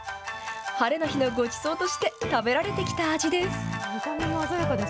ハレの日のごちそうとして食べられてきた味です。